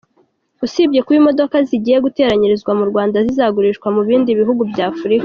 Usibye kuba imodoka zigiye guteranyirizwa mu Rwanda zizanagurishwa mu bindi bihugu bya Afrika.